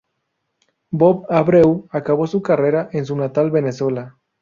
Bob Abreu acabó su carrera en su natal Venezuela.